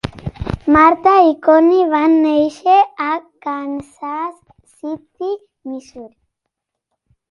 Martha i Connie van néixer a Kansas City, Missouri.